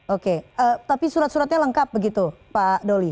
oke tapi surat suratnya lengkap begitu pak doli